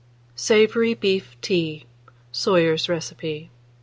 SAVOURY BEEF TEA. (Soyer's Recipe.)